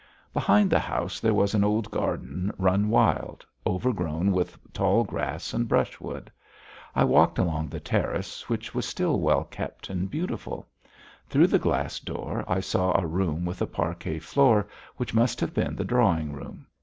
Behind the house there was an old garden run wild, overgrown with tall grass and brushwood. I walked along the terrace which was still well kept and beautiful; through the glass door I saw a room with a parquet floor, which must have been the drawing room.